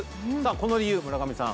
この理由村上さん